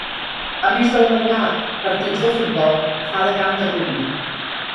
A més d'albergar partits de futbol, fa de camp de rugbi.